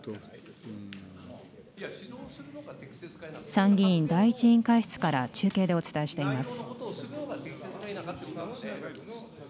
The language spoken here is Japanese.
参議院第１委員会室から中継でお伝えしています。